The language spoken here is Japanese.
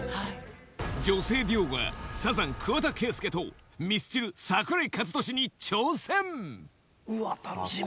女性デュオがサザン・桑田佳祐とミスチル・桜井和寿に挑戦うわ楽しみ。